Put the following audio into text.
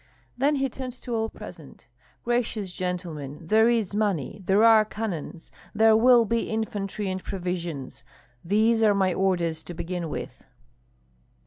Then he turned to all present: "Gracious gentlemen, there is money, there are cannons, there will be infantry and provisions, these are my orders, to begin with."